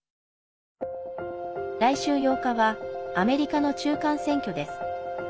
来週８日はアメリカの中間選挙です。